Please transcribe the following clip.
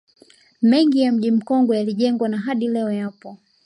Mengi ya mji Mkongwe yalijengwa na hadi leo yapo